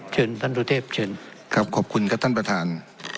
เชิญท่านสุเทพขอบคุณค่ะท่านประธาน